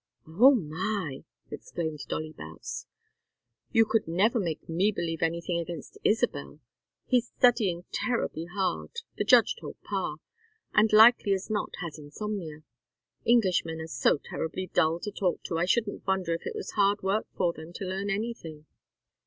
"Oh my!" exclaimed Dolly Boutts. "You could never make me believe anything against Isabel. He's studying terribly hard the judge told pa and likely as not has insomnia. Englishmen are so terribly dull to talk to I shouldn't wonder if it was hard work for them to learn anything."